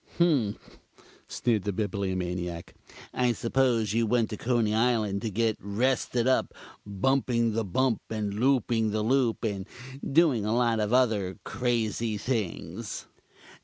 "Humph!" sneered the Bibliomaniac. "I suppose you went to Coney Island to get rested up Bumping the Bump and Looping the Loop and doing a lot of other crazy things."